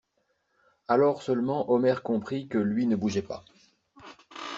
Alors seulement Omer comprit que lui ne bougeait pas.